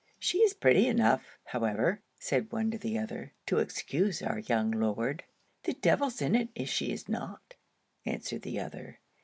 'She is pretty enough, however,' said one to the other, 'to excuse our young Lord.' 'The devil's in't if she is not,' answered the other.